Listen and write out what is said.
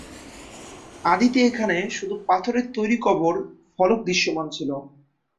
আদিতে এখানে শুধু পাথরের তৈরি কবর ফলক দৃশ্যমান ছিল।